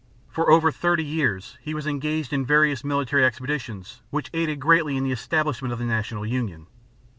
For over thirty years he was engaged in various military expeditions which aided greatly in the establishment of the national union.